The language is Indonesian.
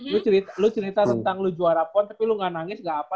lu lo cerita tentang lu juara pon tapi lu gak nangis gak apa apa